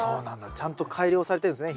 ちゃんと改良されてるんですね